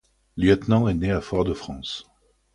Lieutenant est né à Fort-de-France.